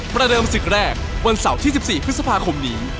ประเดิมศึกแรกวันเสาร์ที่๑๔พฤษภาคมนี้